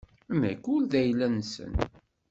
Nekk ur d ayla-nsen.